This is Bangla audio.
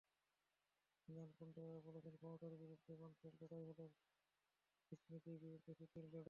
মিলান কুন্ডেরা বলেছিলেন, ক্ষমতার বিরুদ্ধে মানুষের লড়াই হলো বিস্মৃতির বিরুদ্ধে স্মৃতির লড়াই।